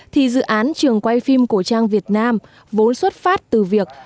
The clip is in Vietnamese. thì dự án trường quay phim cổ trang việt nam vốn xuất phát từ việc